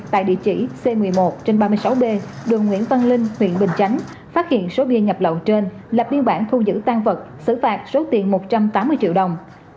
tại địa chỉ c một mươi một trên ba mươi sáu b đường nguyễn văn linh huyện bình chánh phát hiện số bia nhập lậu trên lập biên bản thu giữ tan vật xử phạt số tiền một trăm tám mươi triệu đồng